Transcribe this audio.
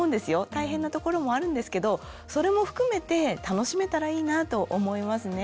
大変なところもあるんですけどそれも含めて楽しめたらいいなと思いますね。